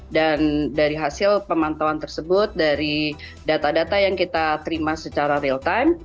dan dari hasil pemantauan tersebut dari data data yang kita terima secara real time